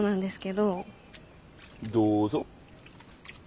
どうぞ。